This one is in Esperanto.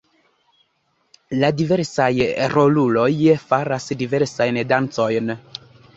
La diversaj roluloj faras diversajn dancojn.